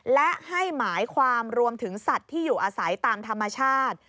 และให้หมายความรวมถึงสัตว์ที่อยู่อาศัยตามธรรมชาติ